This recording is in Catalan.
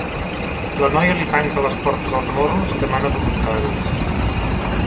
La noia li tanca les portes als morros i demana voluntaris.